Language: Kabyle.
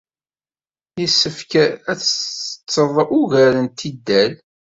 Yessefk ad tettetteḍ ugar n tidal.